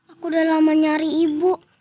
aku udah lama nyari ibu